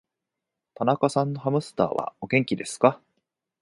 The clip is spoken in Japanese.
田中さんのハムスターは、お元気ですか。